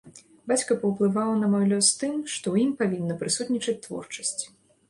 Бацька паўплываў на мой лёс тым, што ў ім павінна прысутнічаць творчасць.